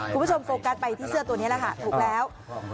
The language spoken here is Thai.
คุณผู้ชมโฟกัสไปที่เสื้อตัวนี้ละค่ะถูกแล้ว